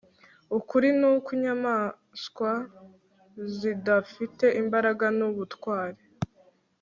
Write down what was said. ukuri nuko inyamanswa zidafite imbaraga nubutwari